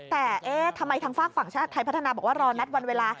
แต่เอ๊ะทำไมทางฝากฝั่งชาติไทยพัฒนาบอกว่ารอนัดวันเวลา